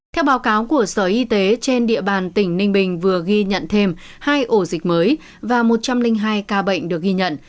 theo báo cáo của sở y tế trên địa bàn tỉnh ninh bình vừa ghi nhận thêm hai ổ dịch mới và một trăm linh hai ca bệnh được ghi nhận